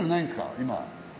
今。